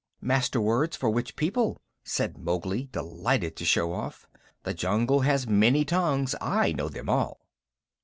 "Master Words for which people?" said Mowgli, delighted to show off. "The jungle has many tongues. I know them all."